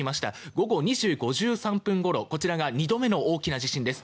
午後２時４２分ごろこちらが２度目の大きな地震です。